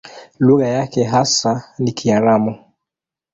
Lugha yake hasa ni Kiaramu.